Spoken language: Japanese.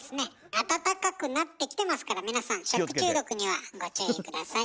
暖かくなってきてますから皆さん食中毒にはご注意下さい。